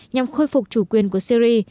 nhằm khôi phục chủ quyền của syri